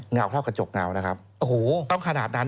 เงากับเจาะเงานะครับต้องขนาดนั้น